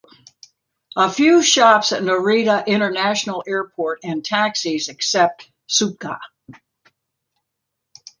A few shops at Narita International Airport, and taxis accept Suica.